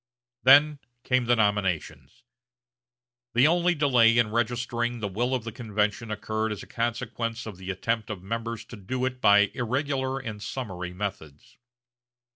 Then came the nominations. The only delay in registering the will of the convention occurred as a consequence of the attempt of members to do it by irregular and summary methods.